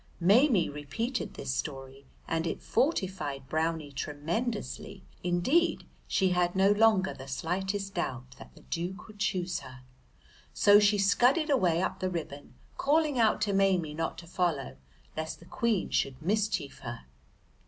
Maimie repeated this story, and it fortified Brownie tremendously, indeed she had no longer the slightest doubt that the Duke would choose her. So she scudded away up the ribbon, calling out to Maimie not to follow lest the Queen should mischief her.